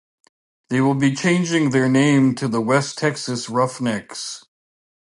They will be changing their name to the West Texas Roughnecks.